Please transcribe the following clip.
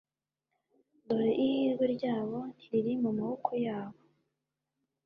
dore ihirwe ryabo ntiriri mu maboko yabo